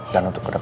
kamu tau gak